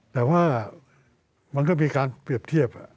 แต่ว่ามันก็มีการเปรียบเทียบ